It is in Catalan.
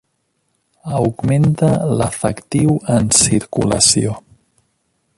Augmenta l'efectiu en circulació.